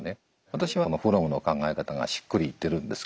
私はフロムの考え方がしっくりいってるんですけどね一番ね。